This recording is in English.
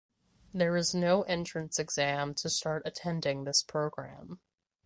There is no entrance exam to start attending this program.